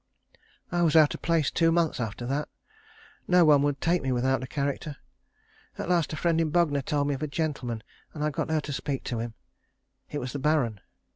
I was out of place two months after that. No one would take me without a character. At last a friend at Bognor told me of a gentleman, and I got her to speak to him. It was the Baron.